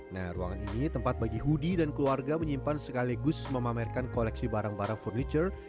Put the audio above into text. nah ruangan ini tempat bagi hudi dan keluarga menyimpan sekaligus memamerkan koleksi barang barang furniture